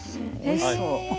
おいしそう。